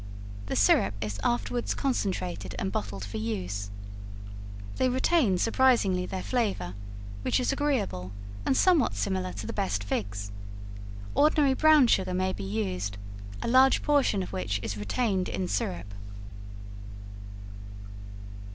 The syrup is afterwards concentrated and bottled for use. They retain surprisingly their flavor, which is agreeable and somewhat similar to the best figs. Ordinary brown sugar may be used, a large portion of which is retained in syrup.